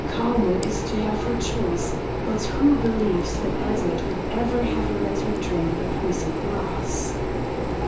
Carmel is to have her choice; but who believes that Adelaide would ever have let her drink the poisoned glass?